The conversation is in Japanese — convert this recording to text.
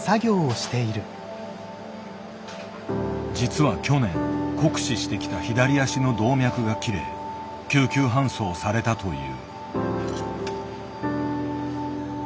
実は去年酷使してきた左足の動脈が切れ救急搬送されたという。